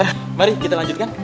bentar mari kita lanjutkan